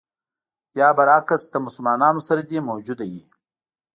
یا برعکس له مسلمانانو سره دې موجوده وي.